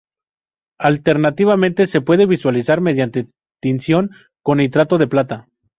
Alternativamente, se puede visualizar mediante tinción con nitrato de plata.